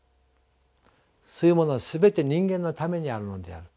そういうものは全て人間のためにあるのである。